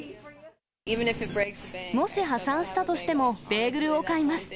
もし破産したとしてもベーグルを買います。